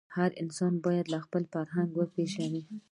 هر انسان باید خپل فرهنګ وپېژني.